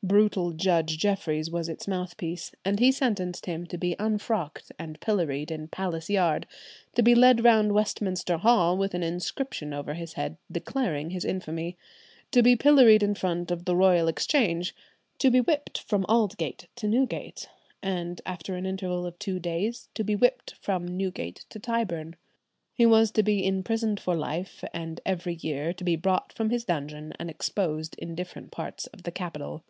Brutal Judge Jeffries was its mouthpiece, and he sentenced him to be unfrocked and pilloried in Palace Yard, to be led round Westminster Hall, with an inscription over his head declaring his infamy; to be pilloried in front of the Royal Exchange, to be whipped from Aldgate to Newgate, and after an interval of two days to be whipped from Newgate to Tyburn. He was to be imprisoned for life, and every year to be brought from his dungeon and exposed in different parts of the capital.